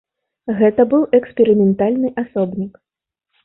Гэта быў эксперыментальны асобнік.